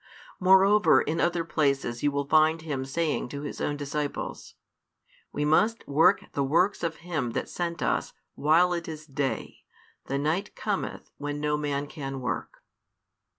Moreover, in other places you will find Him saying to His own disciples: We must work the works of Him That sent us, while it is day; the night cometh, when no man can work.